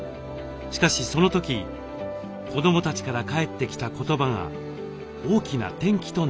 しかしその時子どもたちから返ってきた言葉が大きな転機となりました。